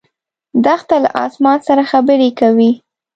دښته له اسمان سره خبرې کوي.